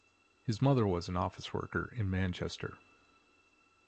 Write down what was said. His mother was an office worker in Manchester.